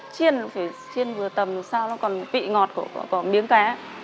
chiên phải chiên vừa tầm làm sao nó còn vị ngọt của miếng cá